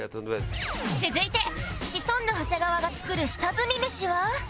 続いてシソンヌ長谷川が作る下積みメシは